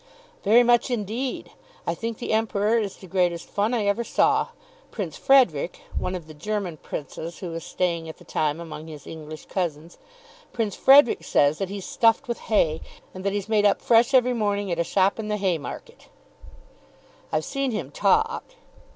"Very much, indeed. I think the Emperor is the greatest fun I ever saw. Prince Frederic," one of the German princes who was staying at the time among his English cousins, "Prince Frederic says that he's stuffed with hay, and that he's made up fresh every morning at a shop in the Haymarket." "I've seen him talk."